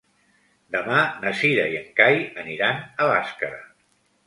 Demà na Cira i en Cai aniran a Bàscara.